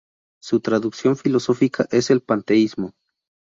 Su traducción filosófica es el panteísmo.